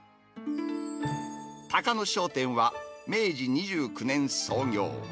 高野商店は、明治２９年創業。